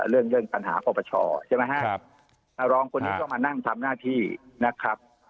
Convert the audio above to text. เรื่องเรื่องปัญหาปรปชใช่ไหมฮะรองคนนี้ก็มานั่งทำหน้าที่นะครับ